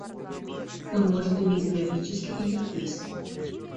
Он может иметь графический интерфейс